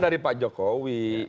dari pak jokowi